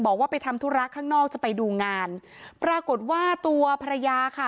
บอกว่าไปทำธุระข้างนอกจะไปดูงานปรากฏว่าตัวภรรยาค่ะ